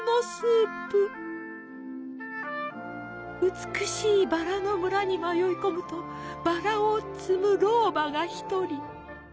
美しいバラの村に迷い込むとバラを摘む老婆が１人。